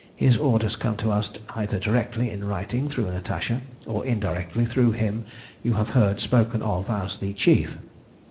His orders come to us either directly in writing through Natasha, or indirectly through him you have heard spoken of as the Chief."